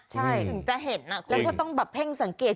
ถึงจะเห็นน่ะแล้วก็ต้องแพ่งสังเกต